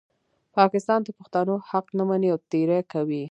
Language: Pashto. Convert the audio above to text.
پاکستان د پښتنو حقوق نه مني او تېری کوي.